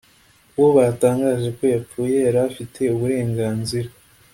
uwo batangaje ko yapfuye yari afite uburenganzira